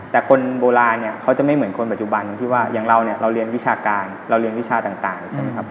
แต่คนโบราณเขาจะไม่เหมือนคนปัจจุบันอย่างเราเรียนวิชาการเรียนวิชาต่าง